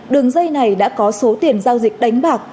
đường dây này đã có số tiền giao dịch đánh bạc